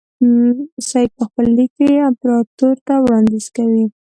سید په خپل لیک کې امپراطور ته وړاندیز کوي.